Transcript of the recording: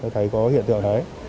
thấy có hiện tượng đấy